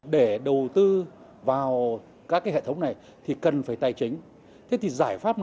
để đầu tư vào các hệ thống này thì cần phải tài chính